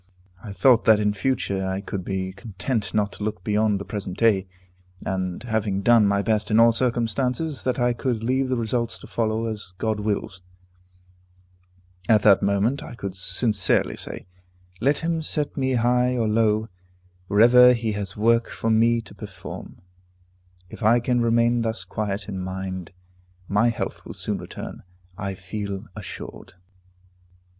I thought that in future I could be content not to look beyond the present duty, and, having done my best in all circumstances, that I could leave the results to follow as God wills. At that moment I could sincerely say, "Let him set me high or low, wherever he has work for me to perform." If I can remain thus quiet in mind, my health will soon return, I feel assured.